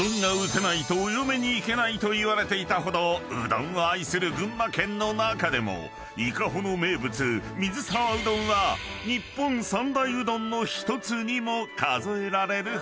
［といわれていたほどうどんを愛する群馬県の中でも伊香保の名物水沢うどんは日本三大うどんの１つにも数えられるほど］